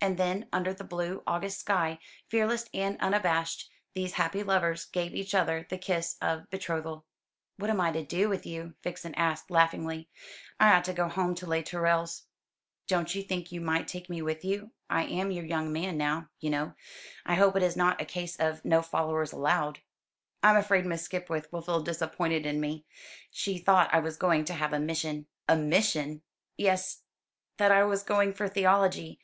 And then under the blue August sky, fearless and unabashed, these happy lovers gave each other the kiss of betrothal. "What am I to do with you?" Vixen asked laughingly. "I ought to go home to Les Tourelles." "Don't you think you might take me with you? I am your young man now, you know. I hope it is not a case of 'no followers allowed.'" "I'm afraid Miss Skipwith will feel disappointed in me. She thought I was going to have a mission." "A mission!" "Yes; that I was going for theology.